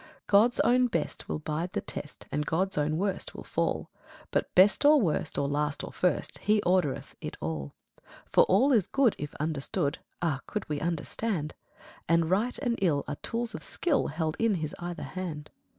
1. God's own best will bide the test, And God's own worst will fall; But, best or worst or last or first, He ordereth it all. 2. For ALL is good, if understood, (Ah, could we understand!) And right and ill are tools of skill Held in His either hand.